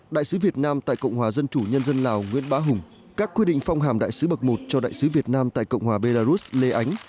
đại sứ việt nam tại cộng hòa dân chủ nhân dân lào nguyễn bá hùng các quy định phong hàm đại sứ bậc một cho đại sứ việt nam tại cộng hòa belarus lê ánh